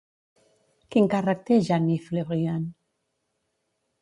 Quin càrrec té Jean-Yves Le Brian?